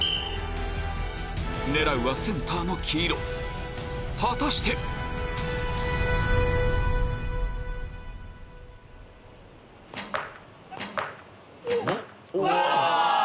狙うはセンターの黄色果たして⁉うわ！